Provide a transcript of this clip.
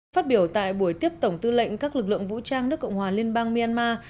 phát biểu tại buổi tiếp tổng tư lệnh các lực lượng vũ trang nước cộng hòa liên bang myanmar